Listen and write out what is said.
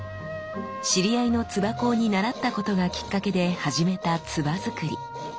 知り合いの鐔工に習ったことがきっかけで始めた鐔づくり。